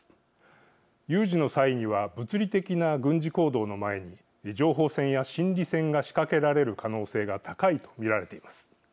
有事の際には物理的な軍事行動の前に情報戦や心理戦が仕掛けられる可能性が高いと見られています。